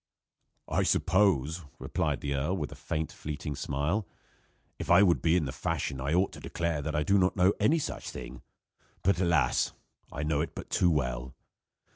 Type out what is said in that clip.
"I suppose," replied the earl, with a faint, fleeting smile, "if I would be in the fashion I ought to declare that I do not know any such thing; but alas! I know it but too well.